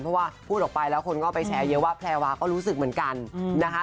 เพราะว่าพูดออกไปแล้วคนก็ไปแชร์เยอะว่าแพรวาก็รู้สึกเหมือนกันนะคะ